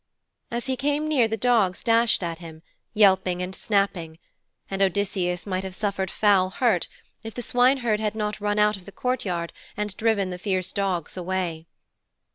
As he came near the dogs dashed at him, yelping and snapping; and Odysseus might have suffered foul hurt if the swineherd had not run out of the courtyard and driven the fierce dogs away.